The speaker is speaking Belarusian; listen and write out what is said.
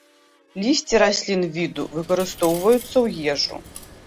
Лісце раслін віду выкарыстоўваюцца ў ежу.